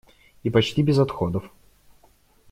И почти без отходов.